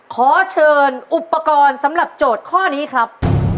ขอเชิญอุปกรณ์สำหรับโจทย์ข้อนี้ครับ